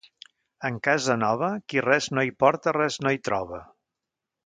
En casa nova, qui res no hi porta res no hi troba.